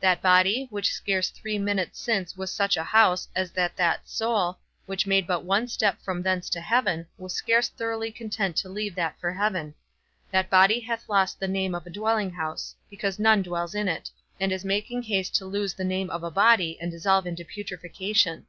That body, which scarce three minutes since was such a house, as that that soul, which made but one step from thence to heaven, was scarce thoroughly content to leave that for heaven; that body hath lost the name of a dwelling house, because none dwells in it, and is making haste to lose the name of a body, and dissolve to putrefaction.